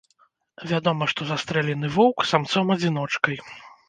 Вядома, што застрэлены воўк самцом-адзіночкай.